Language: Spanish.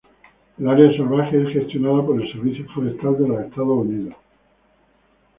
El área salvaje es gestionada por el Servicio Forestal de los Estados Unidos.